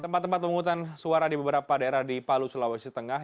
tempat tempat pemungutan suara di beberapa daerah di palu sulawesi tengah